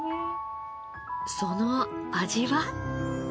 その味は？